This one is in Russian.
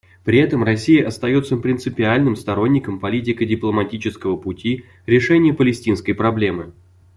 При этом Россия остается принципиальным сторонником политико-дипломатического пути решения палестинской проблемы.